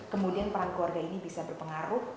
kemudian peran keluarga ini bisa berpengaruh